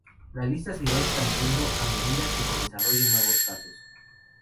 La lista se irá expandiendo a medida que se desarrollen nuevos casos.